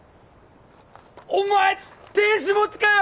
お前亭主持ちかよ！